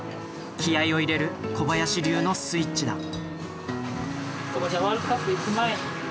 気合いを入れる小林流のスイッチだ。